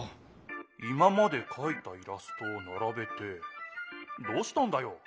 今までかいたイラストをならべてどうしたんだよ？